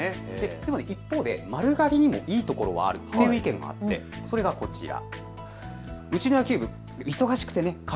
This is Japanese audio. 一方で丸刈りにもいいところはあるという意見があってそれがこちら。